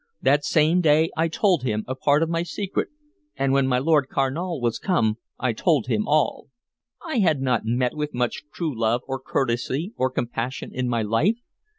That same day I told him a part of my secret, and when my Lord Carnal was come I told him all.... I had not met with much true love or courtesy or compassion in my life.